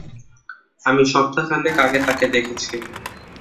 আমি সপ্তাখানেক আগে তাকে দেখেছি।